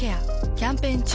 キャンペーン中。